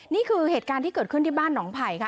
นี่คือเหตุการณ์ที่เกิดขึ้นที่บ้านหนองไผ่ค่ะ